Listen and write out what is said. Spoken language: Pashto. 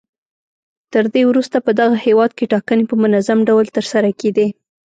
تر دې وروسته په دغه هېواد کې ټاکنې په منظم ډول ترسره کېدې.